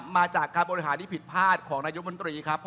มาจากการบริหารที่ผิดพลาดของนายกมนตรีครับ